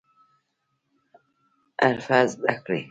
حرفه زده کړئ